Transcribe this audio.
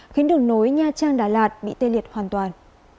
khiến đường nối nha trang đà lạt bị tê liệt hoàn toàn